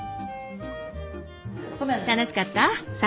楽しかった？